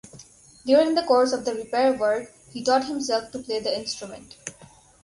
During the course of the repair work he taught himself to play the instrument.